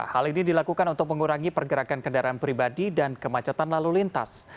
hal ini dilakukan untuk mengurangi pergerakan kendaraan pribadi dan kemacetan lalu lintas